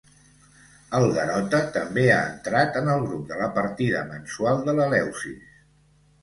El Garota també ha entrat en el grup de la partida mensual de l'Eleusis.